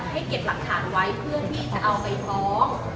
เก็บหลักฐานไว้เพื่อที่จะเอาไปฟ้อง